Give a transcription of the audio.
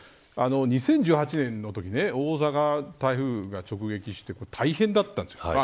２０１８年のとき大阪に台風が直撃して大変だったんです。